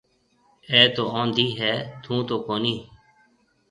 اَي تو اونڌِي هيَ ٿُون تو ڪونِي۔